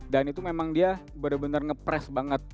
dan itu memang dia benar benar ngepres banget